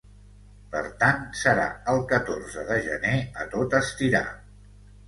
Per tant, serà el catorze de gener, a tot estirar.